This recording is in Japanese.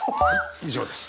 以上です。